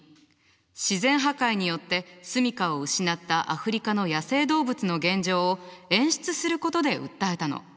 自然破壊によって住みかを失ったアフリカの野生動物の現状を演出することで訴えたの。